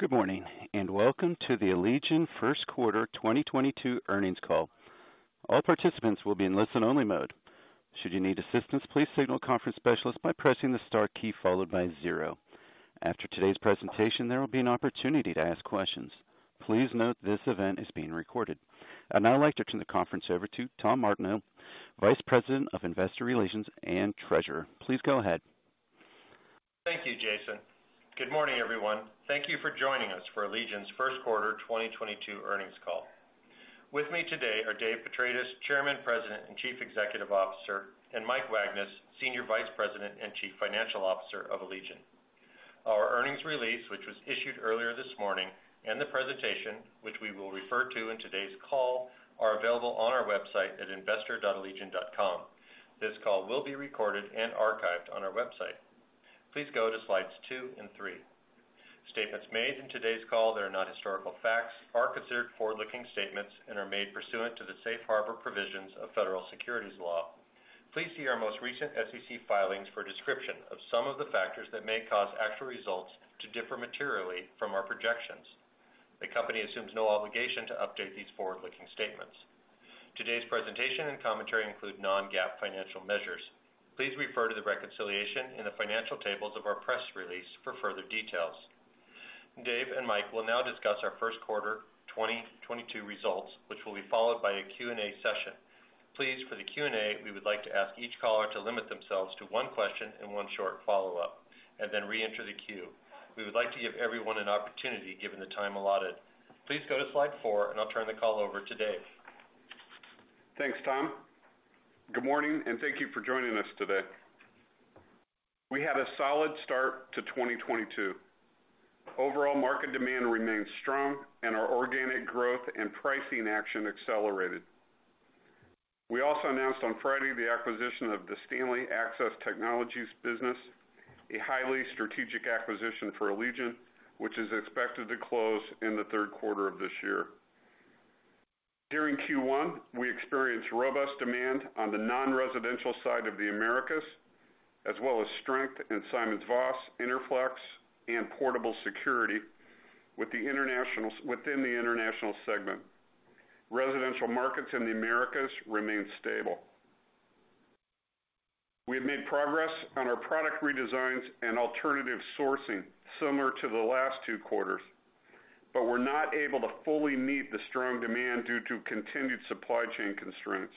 Good morning, and welcome to the Allegion first quarter 2022 earnings call. All participants will be in listen-only mode. Should you need assistance, please signal the conference specialist by pressing the star key followed by zero. After today's presentation, there will be an opportunity to ask questions. Please note this event is being recorded. I'd now like to turn the conference over to Tom Martineau, Vice President of Investor Relations and Treasurer. Please go ahead. Thank you, Jason. Good morning, everyone. Thank you for joining us for Allegion's first quarter 2022 earnings call. With me today are Dave Petratis, Chairman, President, and Chief Executive Officer, and Mike Wagnes, Senior Vice President and Chief Financial Officer of Allegion. Our earnings release, which was issued earlier this morning, and the presentation, which we will refer to in today's call, are available on our website at investor.allegion.com. This call will be recorded and archived on our website. Please go to slides two and three. Statements made in today's call that are not historical facts are considered forward-looking statements and are made pursuant to the safe harbor provisions of federal securities law. Please see our most recent SEC filings for a description of some of the factors that may cause actual results to differ materially from our projections. The company assumes no obligation to update these forward-looking statements. Today's presentation and commentary include non-GAAP financial measures. Please refer to the reconciliation in the financial tables of our press release for further details. Dave and Mike will now discuss our first quarter 2022 results, which will be followed by a Q&A session. Please, for the Q&A, we would like to ask each caller to limit themselves to one question and one short follow-up and then reenter the queue. We would like to give everyone an opportunity given the time allotted. Please go to slide four, and I'll turn the call over to Dave. Thanks, Tom. Good morning, and thank you for joining us today. We had a solid start to 2022. Overall market demand remained strong and our organic growth and pricing action accelerated. We also announced on Friday the acquisition of the Stanley Access Technologies business, a highly strategic acquisition for Allegion, which is expected to close in the third quarter of this year. During Q1, we experienced robust demand on the non-residential side of the Americas, as well as strength in SimonsVoss, Interflex, and Portable Security within the international segment. Residential markets in the Americas remained stable. We have made progress on our product redesigns and alternative sourcing similar to the last two quarters, but we're not able to fully meet the strong demand due to continued supply chain constraints.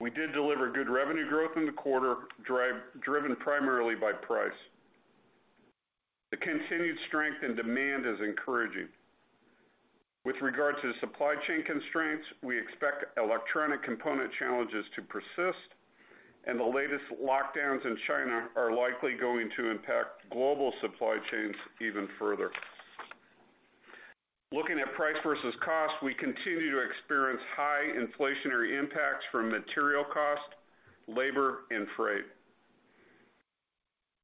We did deliver good revenue growth in the quarter, driven primarily by price. The continued strength in demand is encouraging. With regards to supply chain constraints, we expect electronic component challenges to persist, and the latest lockdowns in China are likely going to impact global supply chains even further. Looking at price versus cost, we continue to experience high inflationary impacts from material cost, labor, and freight.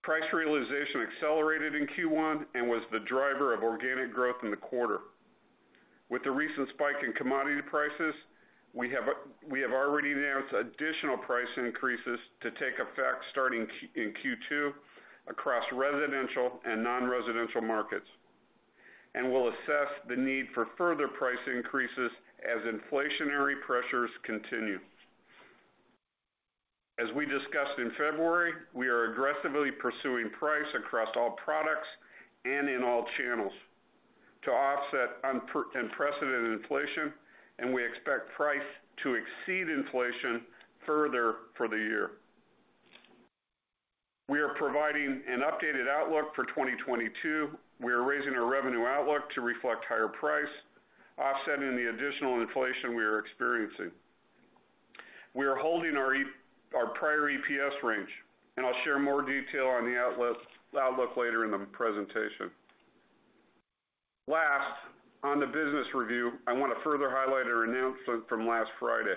Price realization accelerated in Q1 and was the driver of organic growth in the quarter. With the recent spike in commodity prices, we have already announced additional price increases to take effect starting in Q2 across residential and non-residential markets, and we'll assess the need for further price increases as inflationary pressures continue. As we discussed in February, we are aggressively pursuing price across all products and in all channels to offset unprecedented inflation, and we expect price to exceed inflation further for the year. We are providing an updated outlook for 2022. We are raising our revenue outlook to reflect higher price, offsetting the additional inflation we are experiencing. We are holding our prior EPS range, and I'll share more detail on the outlook later in the presentation. Last, on the business review, I want to further highlight our announcement from last Friday.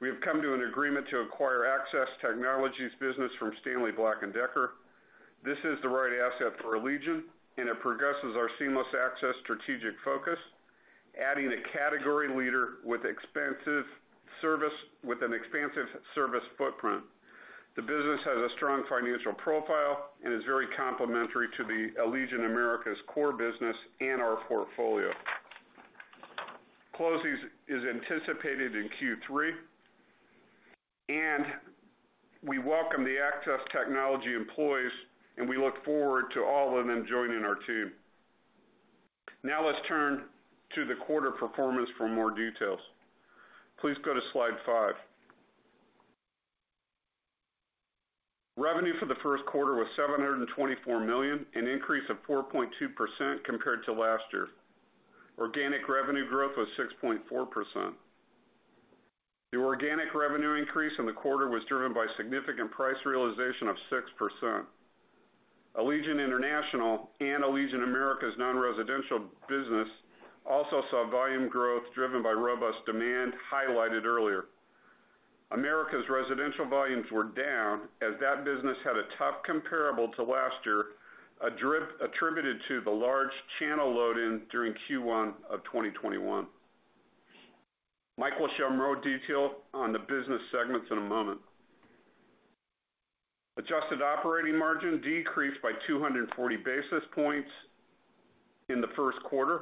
We have come to an agreement to acquire Access Technologies business from Stanley Black & Decker. This is the right asset for Allegion, and it progresses our seamless access strategic focus, adding a category leader with an expansive service footprint. The business has a strong financial profile and is very complementary to the Allegion Americas core business and our portfolio. Closing is anticipated in Q3, and we welcome the Access Technologies employees, and we look forward to all of them joining our team. Now let's turn to the quarter performance for more details. Please go to slide five. Revenue for the first quarter was $724 million, an increase of 4.2% compared to last year. Organic revenue growth was 6.4%. The organic revenue increase in the quarter was driven by significant price realization of 6%. Allegion International and Allegion Americas non-residential business also saw volume growth driven by robust demand highlighted earlier. Americas residential volumes were down as that business had a tough comparable to last year, attributed to the large channel load-in during Q1 of 2021. Mike will show more detail on the business segments in a moment. Adjusted operating margin decreased by 240 basis points in the first quarter.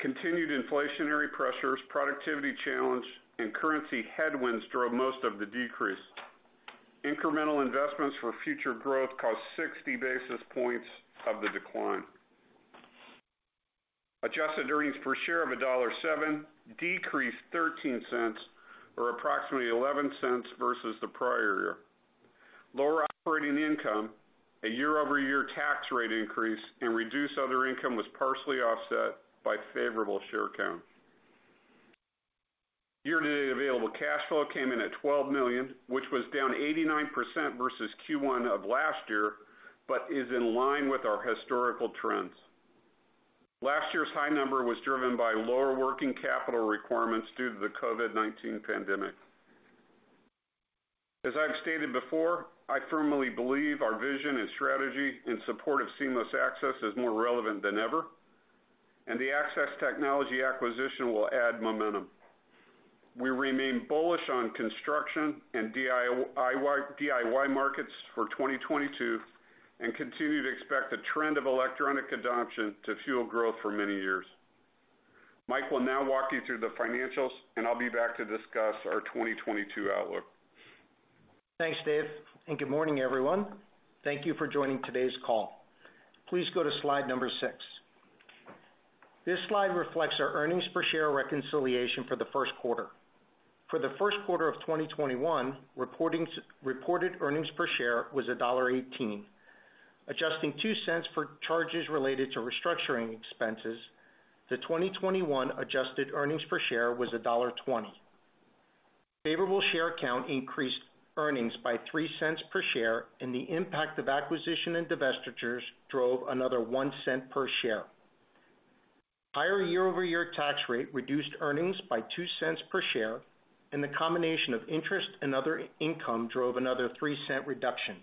Continued inflationary pressures, productivity challenge, and currency headwinds drove most of the decrease. Incremental investments for future growth caused 60 basis points of the decline. Adjusted earnings per share of $1.07 decreased $0.13 or approximately $0.11 versus the prior year. Lower operating income, a year-over-year tax rate increase, and reduced other income was partially offset by favorable share count. Year-to-date available cash flow came in at $12 million, which was down 89% versus Q1 of last year, but is in line with our historical trends. Last year's high number was driven by lower working capital requirements due to the COVID-19 pandemic. As I've stated before, I firmly believe our vision and strategy in support of seamless access is more relevant than ever, and the access technology acquisition will add momentum. We remain bullish on construction and DIY markets for 2022 and continue to expect the trend of electronic adoption to fuel growth for many years. Mike will now walk you through the financials, and I'll be back to discuss our 2022 outlook. Thanks, Dave, and good morning, everyone. Thank you for joining today's call. Please go to slide number six. This slide reflects our earnings per share reconciliation for the first quarter. For the first quarter of 2021, reported earnings per share was $1.18. Adjusting $0.02 for charges related to restructuring expenses, the 2021 adjusted earnings per share was $1.20. Favorable share count increased earnings by $0.03 per share, and the impact of acquisition and divestitures drove another $0.01 per share. Higher year-over-year tax rate reduced earnings by $0.02 per share, and the combination of interest and other income drove another $0.03 reduction.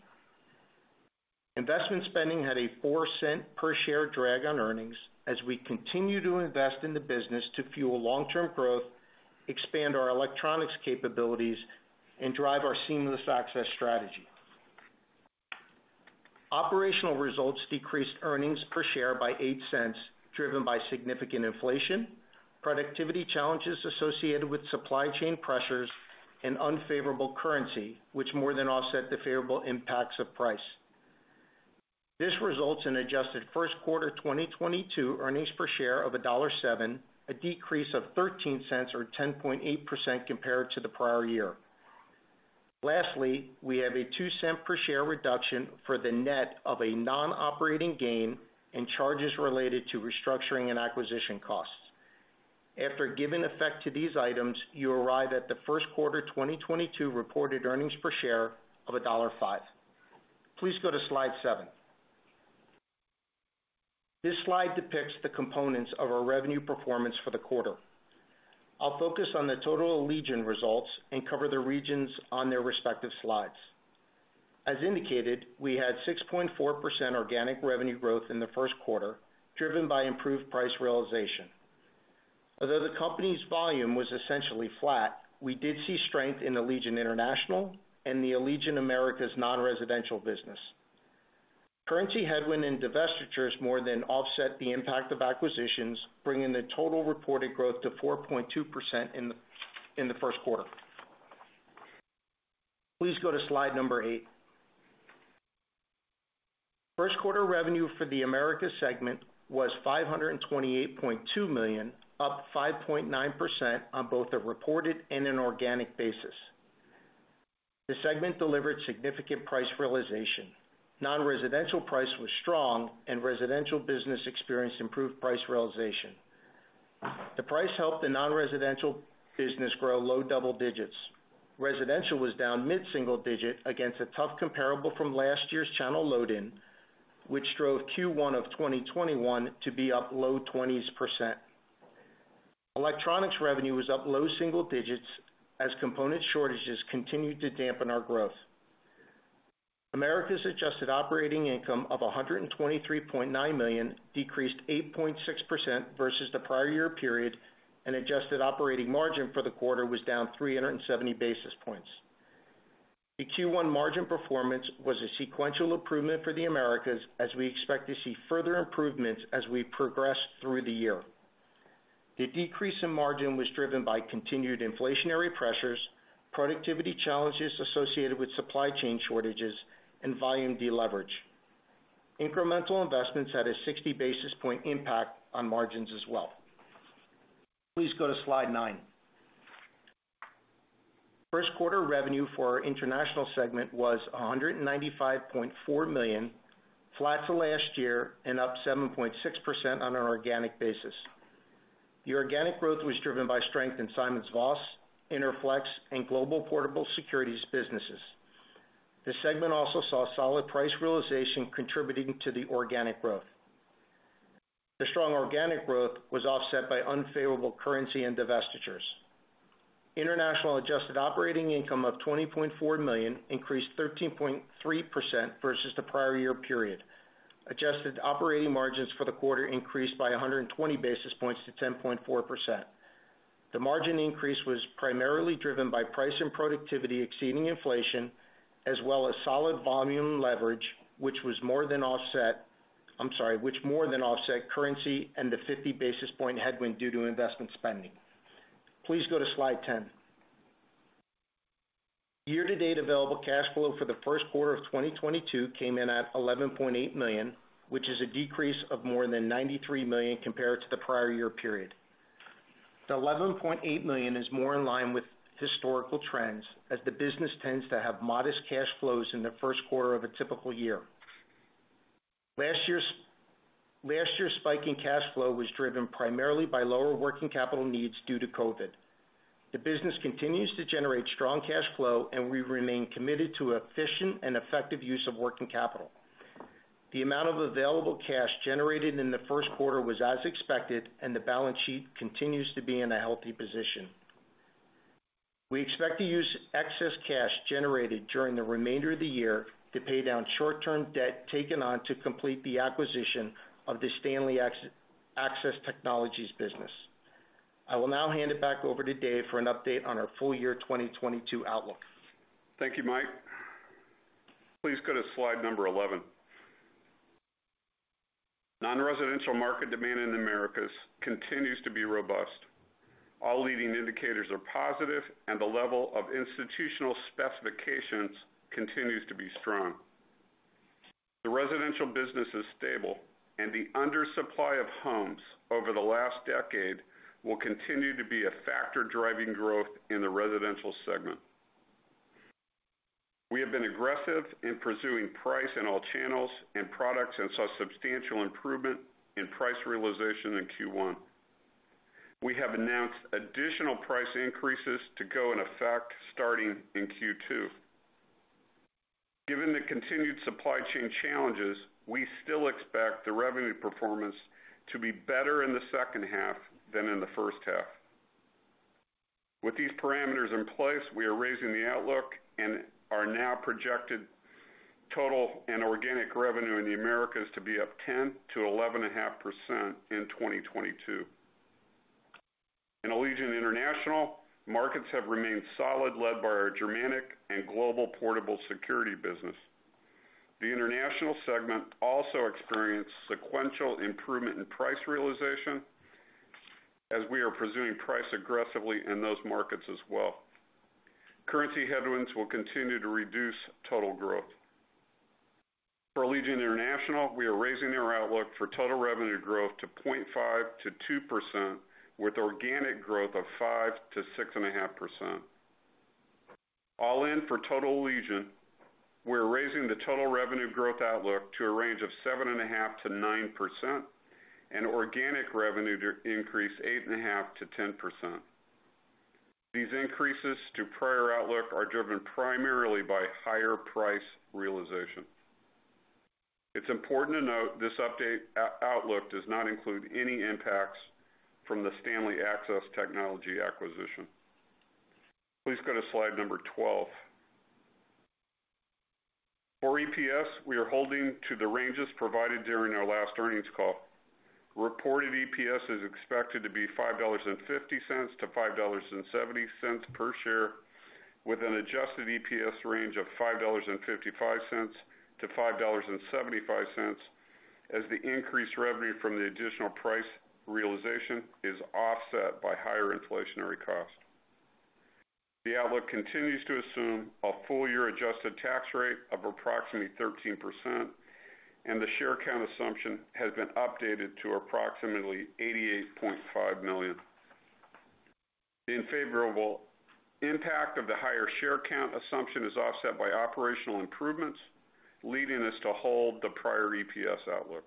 Investment spending had a $0.04 cent per share drag on earnings as we continue to invest in the business to fuel long-term growth, expand our electronics capabilities, and drive our seamless access strategy. Operational results decreased earnings per share by $0.08, driven by significant inflation, productivity challenges associated with supply chain pressures, and unfavorable currency, which more than offset the favorable impacts of price. This results in adjusted first quarter 2022 earnings per share of $1.7, a decrease of $0.13 or 10.8% compared to the prior year. Lastly, we have a $0.02 per share reduction for the net of a non-operating gain and charges related to restructuring and acquisition costs. After giving effect to these items, you arrive at the first quarter 2022 reported earnings per share of $1.5. Please go to slide seven. This slide depicts the components of our revenue performance for the quarter. I'll focus on the total Allegion results and cover the regions on their respective slides. As indicated, we had 6.4% organic revenue growth in the first quarter, driven by improved price realization. Although the company's volume was essentially flat, we did see strength in Allegion International and the Allegion Americas non-residential business. Currency headwind and divestitures more than offset the impact of acquisitions, bringing the total reported growth to 4.2% in the first quarter. Please go to slide eight. First quarter revenue for the Americas segment was $528.2 million, up 5.9% on both a reported and an organic basis. The segment delivered significant price realization. Non-residential price was strong and residential business experienced improved price realization. The price helped the non-residential business grow low double digits. Residential was down mid-single-digit against a tough comparable from last year's channel load-in, which drove Q1 of 2021 to be up low 20s%. Electronics revenue was up low-single-digits as component shortages continued to dampen our growth. Americas adjusted operating income of $123.9 million decreased 8.6% versus the prior year period, and adjusted operating margin for the quarter was down 370 basis points. The Q1 margin performance was a sequential improvement for the Americas, as we expect to see further improvements as we progress through the year. The decrease in margin was driven by continued inflationary pressures, productivity challenges associated with supply chain shortages, and volume deleverage. Incremental investments had a 60 basis point impact on margins as well. Please go to slide nine. First quarter revenue for our international segment was $195.4 million, flat to last year and up 7.6% on an organic basis. The organic growth was driven by strength in SimonsVoss, Interflex, and Global Portable Security businesses. This segment also saw solid price realization contributing to the organic growth. The strong organic growth was offset by unfavorable currency and divestitures. International adjusted operating income of $20.4 million increased 13.3% versus the prior year period. Adjusted operating margins for the quarter increased by 120 basis points to 10.4%. The margin increase was primarily driven by price and productivity exceeding inflation, as well as solid volume leverage, which was more than offset, I'm sorry—which more than offset currency and the 50 basis point headwind due to investment spending. Please go to slide 10. Year-to-date available cash flow for the first quarter of 2022 came in at $11.8 million, which is a decrease of more than $93 million compared to the prior year period. The $11.8 million is more in line with historical trends as the business tends to have modest cash flows in the first quarter of a typical year. Last year's spike in cash flow was driven primarily by lower working capital needs due to COVID. The business continues to generate strong cash flow, and we remain committed to efficient and effective use of working capital. The amount of available cash generated in the first quarter was as expected, and the balance sheet continues to be in a healthy position. We expect to use excess cash generated during the remainder of the year to pay down short-term debt taken on to complete the acquisition of the Stanley Access Technologies business. I will now hand it back over to Dave for an update on our full year 2022 outlook. Thank you, Mike. Please go to slide 11. Non-residential market demand in the Americas continues to be robust. All leading indicators are positive, and the level of institutional specifications continues to be strong. The residential business is stable, and the undersupply of homes over the last decade will continue to be a factor driving growth in the residential segment. We have been aggressive in pursuing price in all channels and products and saw substantial improvement in price realization in Q1. We have announced additional price increases to go in effect starting in Q2. Given the continued supply chain challenges, we still expect the revenue performance to be better in the second half than in the first half. With these parameters in place, we are raising the outlook and are now projected total and organic revenue in the Americas to be up 10%-11.5% in 2022. In Allegion International, markets have remained solid, led by our Germanic and Global Portable Security business. The international segment also experienced sequential improvement in price realization as we are pursuing price aggressively in those markets as well. Currency headwinds will continue to reduce total growth. For Allegion International, we are raising our outlook for total revenue growth to 0.5%-2% with organic growth of 5%-6.5%. All in for total Allegion, we're raising the total revenue growth outlook to a range of 7.5%-9% and organic revenue to increase 8.5%-10%. These increases to prior outlook are driven primarily by higher price realization. It's important to note this update outlook does not include any impacts from the Stanley Access Technologies acquisition. Please go to slide 12. For EPS, we are holding to the ranges provided during our last earnings call. Reported EPS is expected to be $5.50-$5.70 per share, with an adjusted EPS range of $5.55-$5.75, as the increased revenue from the additional price realization is offset by higher inflationary costs. The outlook continues to assume a full year adjusted tax rate of approximately 13%, and the share count assumption has been updated to approximately 88.5 million. The unfavorable impact of the higher share count assumption is offset by operational improvements, leading us to hold the prior EPS outlook.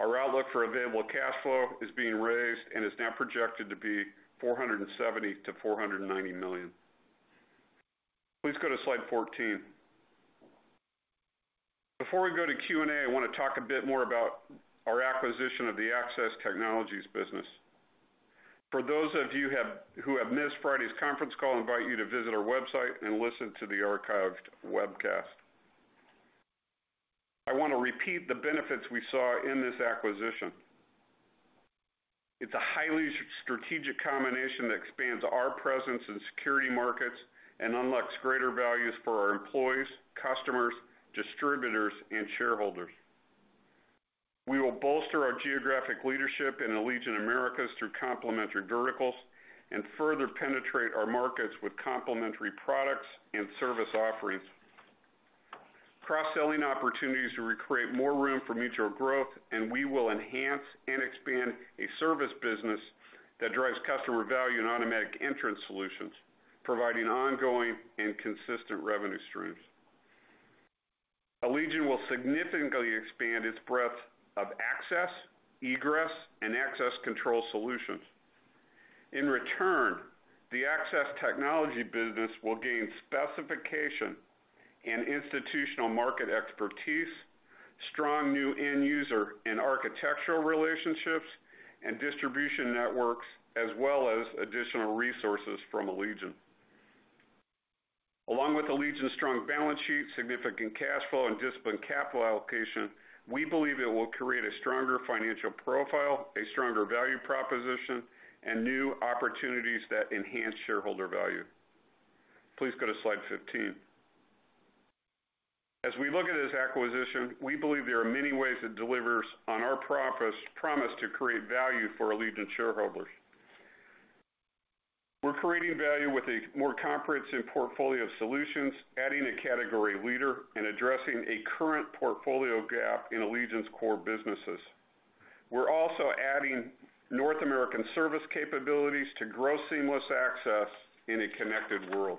Our outlook for available cash flow is being raised and is now projected to be $470 million-$490 million. Please go to slide 14. Before we go to Q&A, I wanna talk a bit more about our acquisition of the Access Technologies business. For those of you who have missed Friday's conference call, I invite you to visit our website and listen to the archived webcast. I wanna repeat the benefits we saw in this acquisition. It's a highly strategic combination that expands our presence in security markets and unlocks greater values for our employees, customers, distributors, and shareholders. We will bolster our geographic leadership in Allegion Americas through complementary verticals and further penetrate our markets with complementary products and service offerings. Cross-selling opportunities will create more room for mutual growth, and we will enhance and expand a service business that drives customer value and automatic entrance solutions, providing ongoing and consistent revenue streams. Allegion will significantly expand its breadth of access, egress, and access control solutions. In return, the Access Technologies business will gain specification and institutional market expertise. Strong new end user and architectural relationships and distribution networks, as well as additional resources from Allegion. Along with Allegion's strong balance sheet, significant cash flow, and disciplined capital allocation, we believe it will create a stronger financial profile, a stronger value proposition, and new opportunities that enhance shareholder value. Please go to slide 15. As we look at this acquisition, we believe there are many ways it delivers on our promise to create value for Allegion shareholders. We're creating value with a more comprehensive portfolio of solutions, adding a category leader, and addressing a current portfolio gap in Allegion's core businesses. We're also adding North American service capabilities to grow seamless access in a connected world.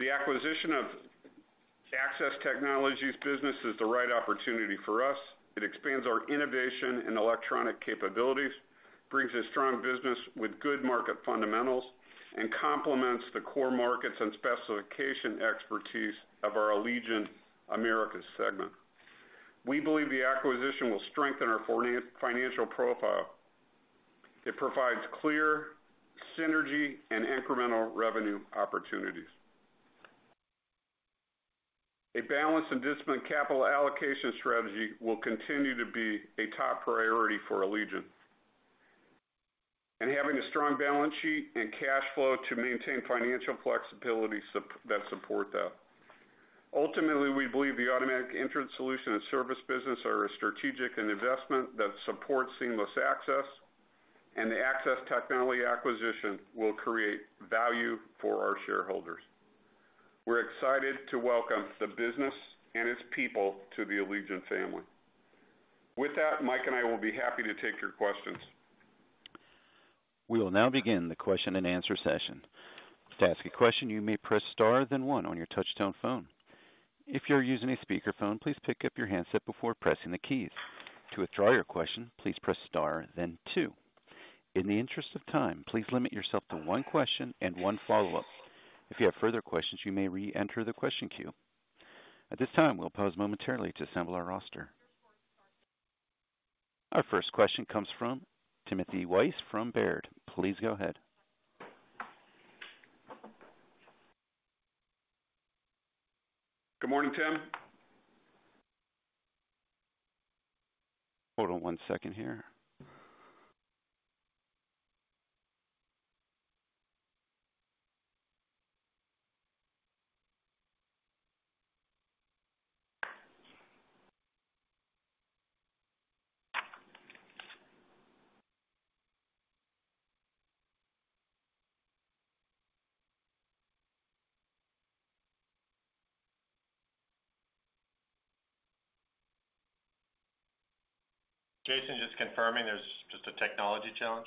The acquisition of Access Technologies business is the right opportunity for us. It expands our innovation and electronic capabilities, brings a strong business with good market fundamentals, and complements the core markets and specification expertise of our Allegion Americas segment. We believe the acquisition will strengthen our financial profile. It provides clear synergy and incremental revenue opportunities. A balanced and disciplined capital allocation strategy will continue to be a top priority for Allegion. Having a strong balance sheet and cash flow to maintain financial flexibility that supports that. Ultimately, we believe the automatic entrance solution and service business are a strategic investment that supports seamless access, and the Access Technologies acquisition will create value for our shareholders. We're excited to welcome the business and its people to the Allegion family. With that, Mike and I will be happy to take your questions. We will now begin the question-and-answer session. To ask a question, you may press star, then one on your touch-tone phone. If you're using a speakerphone, please pick up your handset before pressing the keys. To withdraw your question, please press star then two. In the interest of time, please limit yourself to one question and one follow-up. If you have further questions, you may re-enter the question queue. At this time, we'll pause momentarily to assemble our roster. Our first question comes from Timothy Wojs from Baird. Please go ahead. Good morning, Tim. Hold on one second here. Jason, just confirming there's just a technology challenge?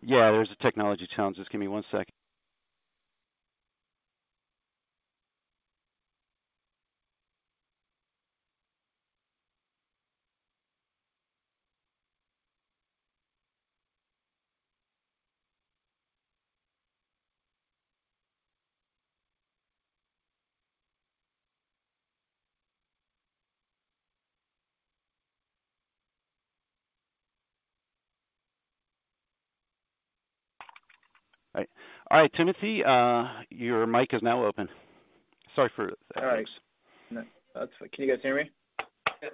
Yeah, there's a technology challenge. Just give me one second. All right. All right, Timothy, your mic is now open. Sorry for that. All right. Can you guys hear me? Yeah.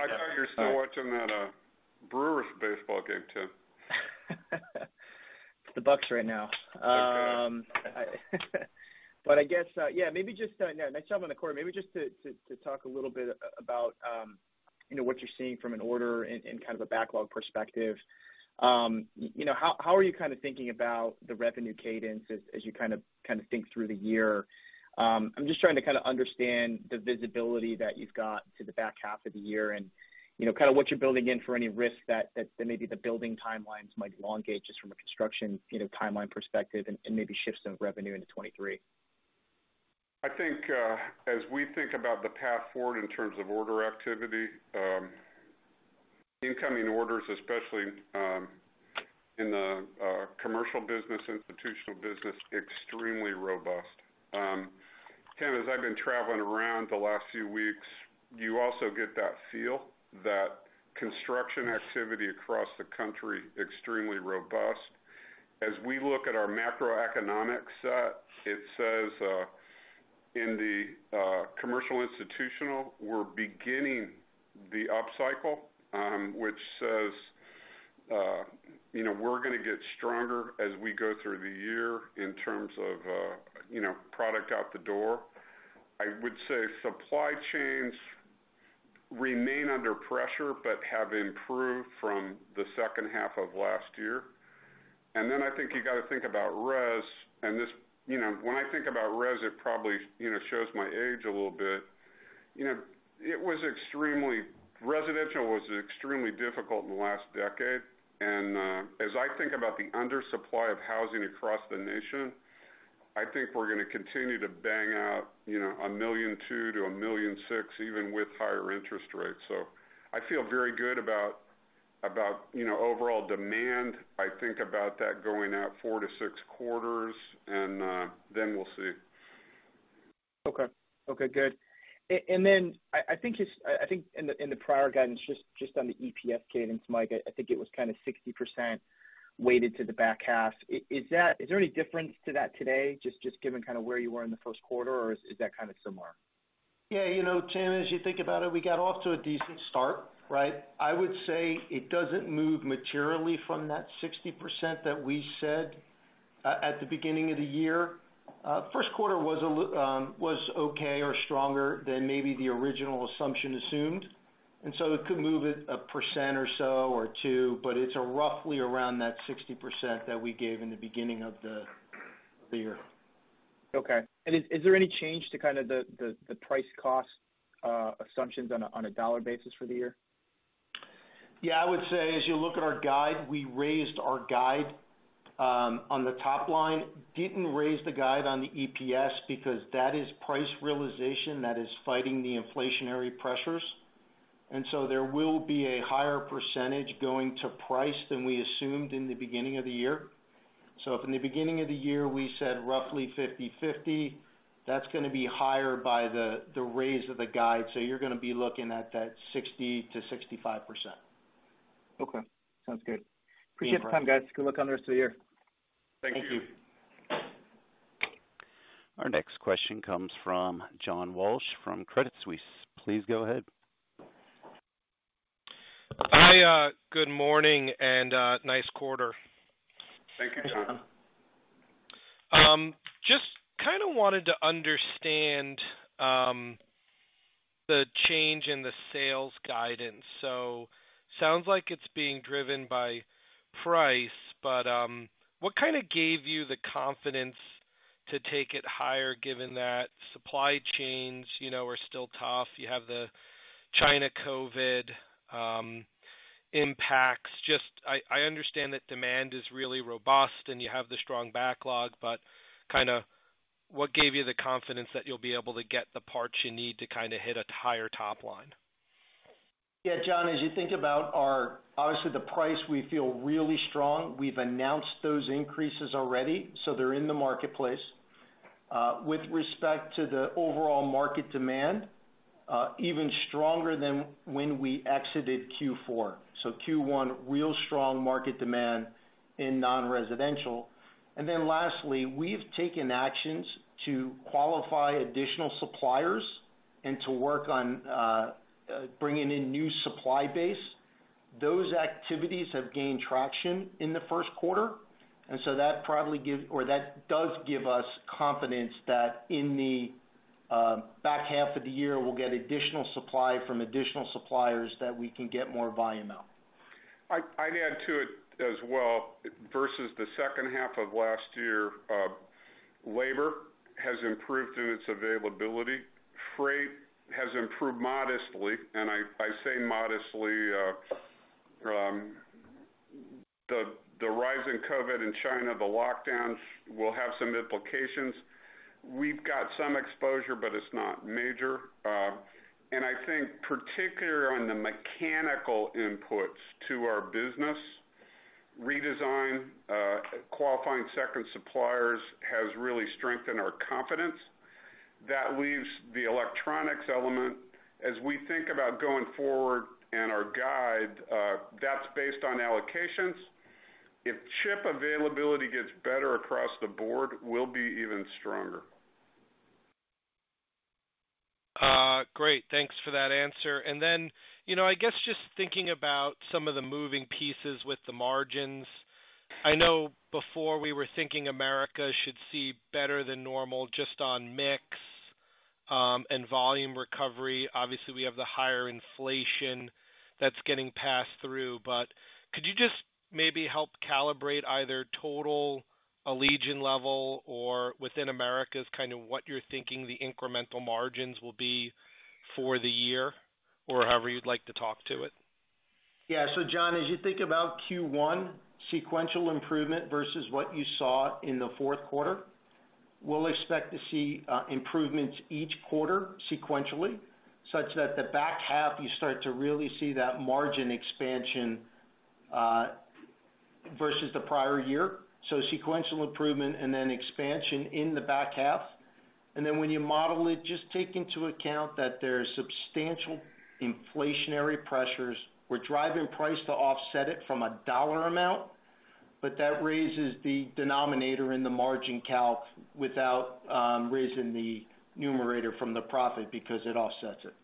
I thought you're still watching that, Brewers baseball game, Tim. It's the Bucks right now. I guess, yeah, maybe just nice job on the quarter. Maybe just to talk a little bit about, you know, what you're seeing from an order and kind of a backlog perspective. You know, how are you kind of thinking about the revenue cadence as you kind of think through the year? I'm just trying to kinda understand the visibility that you've got to the back half of the year and, you know, kinda what you're building in for any risk that maybe the building timelines might elongate just from a construction, you know, timeline perspective and maybe shifts in revenue into 2023. I think, as we think about the path forward in terms of order activity, incoming orders, especially in the commercial business, institutional business, extremely robust. Tim, as I've been traveling around the last few weeks, you also get that feel that construction activity across the country, extremely robust. As we look at our macroeconomics set, it says in the commercial institutional, we're beginning the upcycle, which says, you know, we're gonna get stronger as we go through the year in terms of, you know, product out the door. I would say supply chains remain under pressure but have improved from the second half of last year. I think you gotta think about res. This, you know, when I think about res, it probably, you know, shows my age a little bit. You know, residential was extremely difficult in the last decade. As I think about the undersupply of housing across the nation, I think we're gonna continue to bang out, you know, 1.2 million-1.6 million, even with higher interest rates. I feel very good about, you know, overall demand. I think about that going out four to six quarters and then we'll see. Okay. Okay, good. I think in the prior guidance, just on the EPS cadence, Mike, I think it was kind of 60% weighted to the back half. Is that? Is there any difference to that today, just given kind of where you were in the first quarter, or is that kind of similar? Yeah. You know, Tim, as you think about it, we got off to a decent start, right? I would say it doesn't move materially from that 60% that we said at the beginning of the year. First quarter was okay or stronger than maybe the original assumption assumed, and so it could move it 1% or so or 2%, but it's roughly around that 60% that we gave in the beginning of the year. Okay. Is there any change to kind of the price cost assumptions on a dollar basis for the year? Yeah. I would say as you look at our guide, we raised our guide on the top line. Didn't raise the guide on the EPS because that is price realization that is fighting the inflationary pressures. There will be a higher percentage going to price than we assumed in the beginning of the year. If in the beginning of the year we said roughly 50/50, that's gonna be higher by the raise of the guide. You're gonna be looking at that 60%-65%. Okay. Sounds good. Appreciate the time, guys. Good luck on the rest of the year. Thank you. Thank you. Our next question comes from John Walsh from Credit Suisse. Please go ahead. Hi, good morning and nice quarter. Thank you, John. Thanks, John. Just kind of wanted to understand the change in the sales guidance. Sounds like it's being driven by price, but what kind of gave you the confidence to take it higher given that supply chains, you know, are still tough? You have the China COVID impacts. Just, I understand that demand is really robust and you have the strong backlog, but kind of what gave you the confidence that you'll be able to get the parts you need to kind of hit a higher top line? Yeah, John, as you think about our, obviously the price, we feel really strong. We've announced those increases already, so they're in the marketplace. With respect to the overall market demand, even stronger than when we exited Q4. Q1, real strong market demand in non-residential. Lastly, we've taken actions to qualify additional suppliers and to work on bringing in new supply base. Those activities have gained traction in the first quarter, and so that does give us confidence that in the back half of the year, we'll get additional supply from additional suppliers that we can get more volume out. I'd add to it as well, versus the second half of last year, labor has improved in its availability. Freight has improved modestly, and I say modestly, the rise in COVID in China, the lockdowns will have some implications. We've got some exposure, but it's not major. I think particularly on the mechanical inputs to our business, redesign, qualifying second suppliers has really strengthened our confidence. That leaves the electronics element. As we think about going forward and our guide, that's based on allocations. If chip availability gets better across the board, we'll be even stronger. Great. Thanks for that answer. Then, you know, I guess just thinking about some of the moving pieces with the margins. I know before we were thinking Americas should see better than normal just on mix, and volume recovery. Obviously, we have the higher inflation that's getting passed through. Could you just maybe help calibrate either total Allegion level or within Americas, kind of what you're thinking the incremental margins will be for the year or however you'd like to talk to it? Yeah. John, as you think about Q1 sequential improvement versus what you saw in the fourth quarter, we'll expect to see improvements each quarter sequentially, such that the back half, you start to really see that margin expansion versus the prior year. Sequential improvement and then expansion in the back half. When you model it, just take into account that there's substantial inflationary pressures. We're driving price to offset it from a dollar amount, but that raises the denominator in the margin calc without raising the numerator from the profit because it offsets it.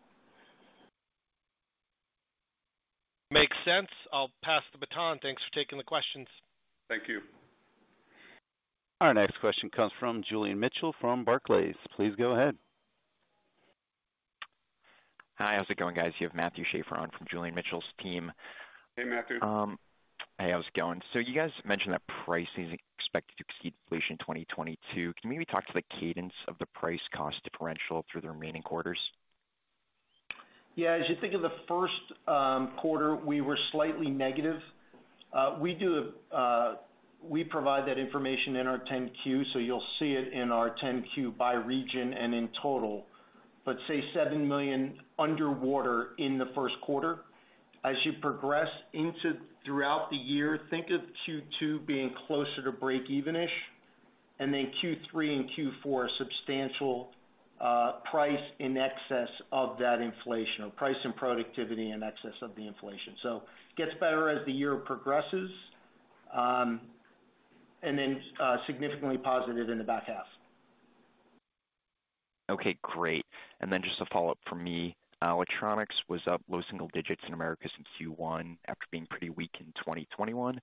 Makes sense. I'll pass the baton. Thanks for taking the questions. Thank you. Our next question comes from Julian Mitchell from Barclays. Please go ahead. Hi, how's it going, guys? You have Matthew Shaffer on from Julian Mitchell's team. Hey, Matthew. Hey, how's it going? You guys mentioned that pricing is expected to keep inflation in 2022. Can you maybe talk to the cadence of the price cost differential through the remaining quarters? Yeah. As you think of the first quarter, we were slightly negative. We provide that information in our 10-Q, so you'll see it in our 10-Q by region and in total. Say $7 million underwater in the first quarter. As you progress throughout the year, think of Q2 being closer to breakeven-ish, and then Q3 and Q4 substantial price in excess of that inflation. Price and productivity in excess of the inflation. So gets better as the year progresses, and then significantly positive in the back half. Okay, great. Just a follow-up from me. Electronics was up low single digits in Americas since Q1 after being pretty weak in 2021.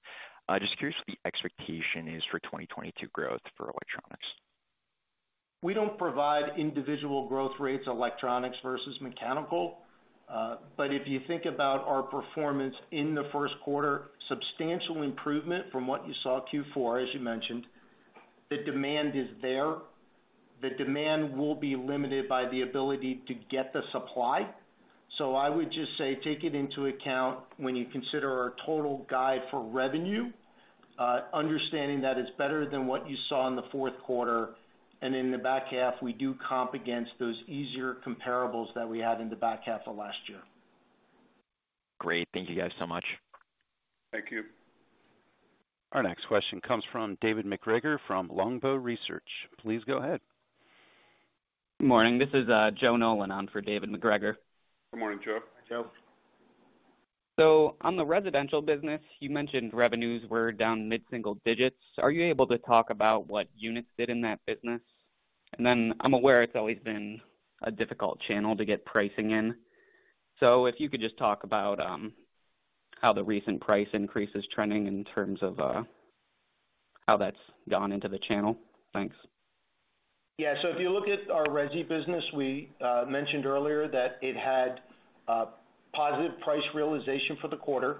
I'm just curious what the expectation is for 2022 growth for electronics. We don't provide individual growth rates, electronics versus mechanical. But if you think about our performance in the first quarter, substantial improvement from what you saw Q4, as you mentioned. The demand is there. The demand will be limited by the ability to get the supply. So I would just say take it into account when you consider our total guide for revenue, understanding that it's better than what you saw in the fourth quarter. In the back half, we do comp against those easier comparables that we had in the back half of last year. Great. Thank you guys so much. Thank you. Our next question comes from David MacGregor, from Longbow Research. Please go ahead. Good morning. This is Joe Nolan on for David MacGregor. Good morning, Joe. Joe. On the residential business, you mentioned revenues were down mid-single digits. Are you able to talk about what units did in that business? Then I'm aware it's always been a difficult channel to get pricing in. If you could just talk about how the recent price increase is trending in terms of how that's gone into the channel. Thanks. Yeah. If you look at our resi business, we mentioned earlier that it had positive price realization for the quarter.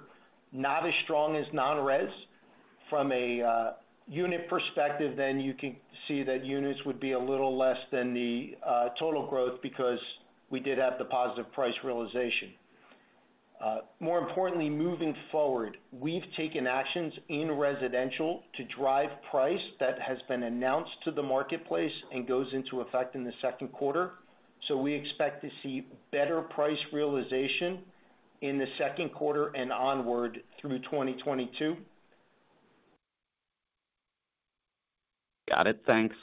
Not as strong as non-res. From a unit perspective, then you can see that units would be a little less than the total growth because we did have the positive price realization. More importantly, moving forward, we've taken actions in residential to drive price that has been announced to the marketplace and goes into effect in the second quarter. So we expect to see better price realization in the second quarter and onward through 2022. Got it. Thanks.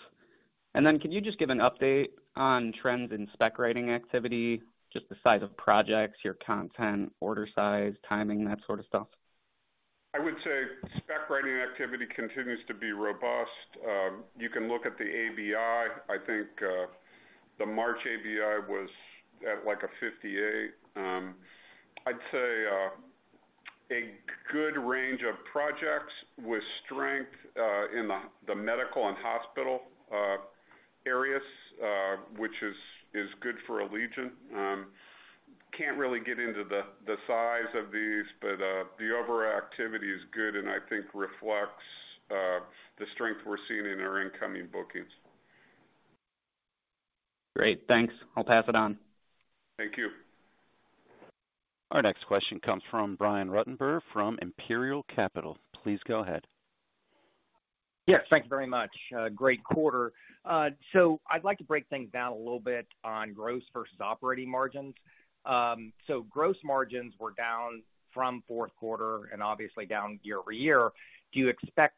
Could you just give an update on trends in spec writing activity, just the size of projects, your contract, order size, timing, that sort of stuff? I would say spec writing activity continues to be robust. You can look at the ABI. I think the March ABI was at like 58. I'd say a good range of projects with strength in the medical and hospital areas, which is good for Allegion. Can't really get into the size of these, but the overall activity is good and I think reflects the strength we're seeing in our incoming bookings. Great. Thanks. I'll pass it on. Thank you. Our next question comes from Brian Ruttenbur from Imperial Capital. Please go ahead. Yes, thank you very much. Great quarter. I'd like to break things down a little bit on gross versus operating margins. Gross margins were down from fourth quarter and obviously down year-over-year. Do you expect,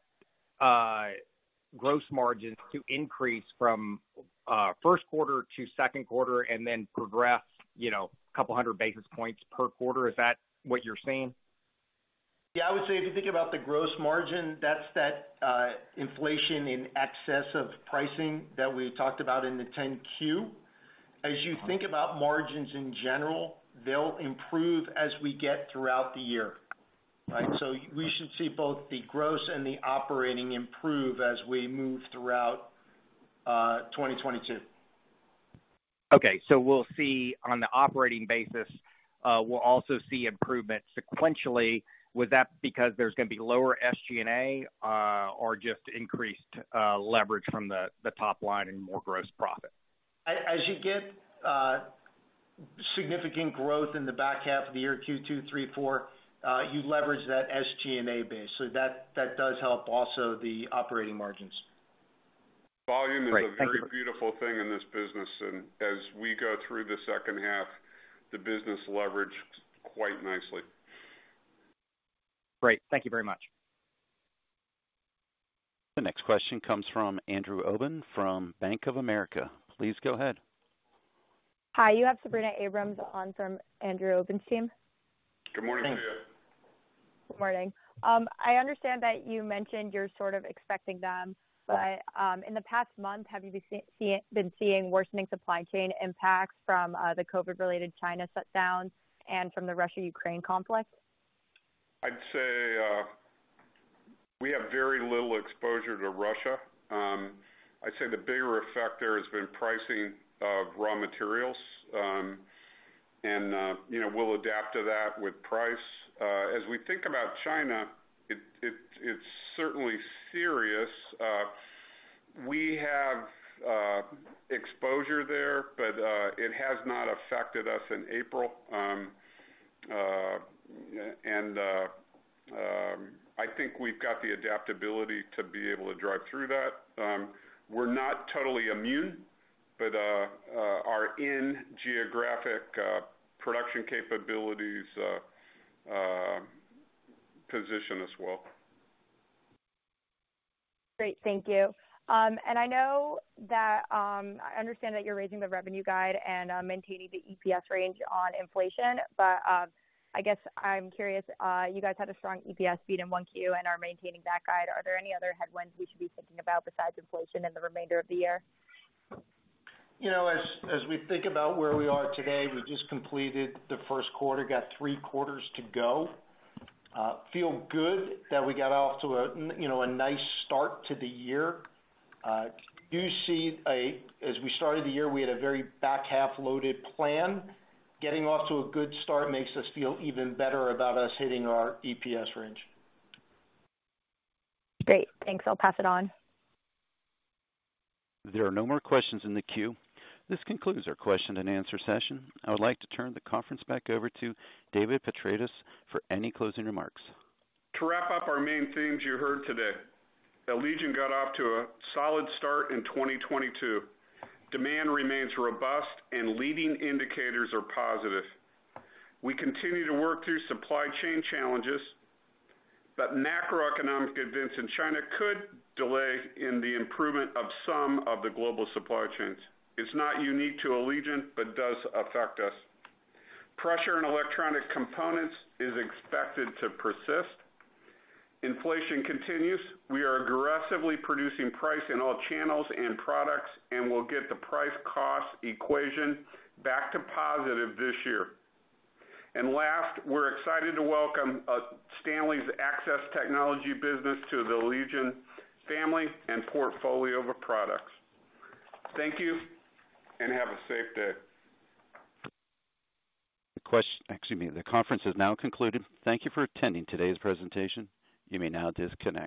gross margins to increase from, first quarter to second quarter and then progress, you know, a couple hundred basis points per quarter? Is that what you're seeing? Yeah, I would say if you think about the gross margin, that's that, inflation in excess of pricing that we talked about in the 10-Q. As you think about margins in general, they'll improve as we get throughout the year, right? We should see both the gross and the operating improve as we move throughout, 2022. Okay. We'll see on the operating basis, we'll also see improvement sequentially. Was that because there's gonna be lower SG&A, or just increased leverage from the top line and more gross profit? As you get significant growth in the back half of the year, Q2, Q3, Q4, you leverage that SG&A base, so that does help also the operating margins. Volume is a very beautiful thing in this business, and as we go through the second half, the business leverages quite nicely. Great. Thank you very much. The next question comes from Andrew Obin from Bank of America. Please go ahead. Hi, you have Sabrina Abrams on from Andrew Obin's team. Good morning, Sabrina. Good morning. I understand that you mentioned you're sort of expecting them, but in the past month, have you been seeing worsening supply chain impacts from the COVID-19-related China shutdowns and from the Russia-Ukraine conflict? I'd say, we have very little exposure to Russia. I'd say the bigger effect there has been pricing of raw materials. You know, we'll adapt to that with price. As we think about China, its certainly serious. We have exposure there, but it has not affected us in April. I think we've got the adaptability to be able to drive through that. We're not totally immune, but our geographic production capabilities position us well. Great. Thank you. I know that I understand that you're raising the revenue guide and maintaining the EPS range on inflation, but I guess I'm curious. You guys had a strong EPS beat in 1Q and are maintaining that guide. Are there any other headwinds we should be thinking about besides inflation in the remainder of the year? You know, as we think about where we are today, we just completed the first quarter, got three quarters to go. We feel good that we got off to a nice start to the year. As we started the year, we had a very back-half-loaded plan. Getting off to a good start makes us feel even better about us hitting our EPS range. Great. Thanks. I'll pass it on. There are no more questions in the queue. This concludes our question and answer session. I would like to turn the conference back over to David Petratis for any closing remarks. To wrap up our main themes you heard today, Allegion got off to a solid start in 2022. Demand remains robust and leading indicators are positive. We continue to work through supply chain challenges, but macroeconomic events in China could delay in the improvement of some of the global supply chains. It's not unique to Allegion, but does affect us. Pressure in electronic components is expected to persist. Inflation continues. We are aggressively producing price in all channels and products, and we'll get the price cost equation back to positive this year. Last, we're excited to welcome Stanley Access Technologies business to the Allegion family and portfolio of products. Thank you, and have a safe day. Excuse me. The conference is now concluded. Thank you for attending today's presentation. You may now disconnect.